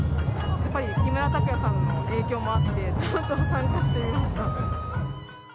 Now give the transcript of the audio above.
やっぱり木村拓哉さんの影響もあって、参加してみました。